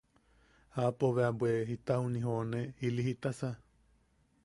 Aapo bea bwe jita juni joʼone ili jitasa.